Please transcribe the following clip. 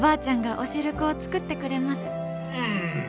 うん！